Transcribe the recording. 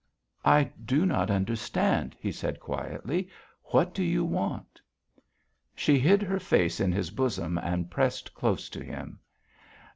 "I do not understand," he said quietly. "What do you want?" She hid her face in his bosom and pressed close to him.